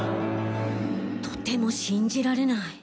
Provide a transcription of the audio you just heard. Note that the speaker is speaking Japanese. （とても信じられない。